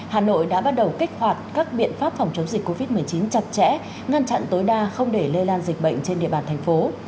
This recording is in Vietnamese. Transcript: hà nội đã bắt đầu kích hoạt các biện pháp phòng chống dịch covid một mươi chín chặt chẽ ngăn chặn tối đa không để lây lan dịch bệnh trên địa bàn thành phố